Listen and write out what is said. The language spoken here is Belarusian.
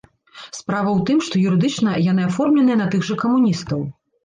Справа ў тым, што юрыдычна яны аформленыя на тых жа камуністаў.